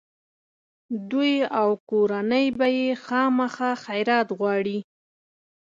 دوی او کورنۍ به یې خامخا خیرات غواړي.